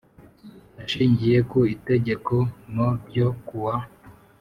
Ashingiye ku itegeko no ryo kuwa